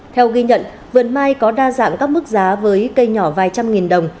theo ghi nhận vườn mai có đa dạng các mức giá với cây nhỏ vài trăm nghìn đồng